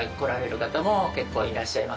方も結構いらっしゃいますね。